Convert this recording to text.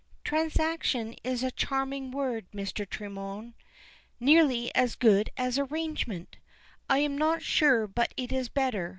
"Transaction is a charming word, Mr. Tremorne, nearly as good as arrangement; I am not sure but it is better.